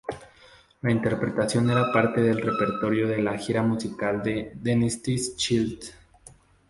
La interpretación era parte del repertorio de la gira musical de Destiny's Child.